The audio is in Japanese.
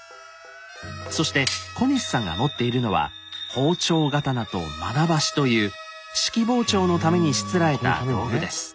そして小西さんが持っているのは「庖丁刀」と「まな箸」という式庖丁のためにしつらえた道具です。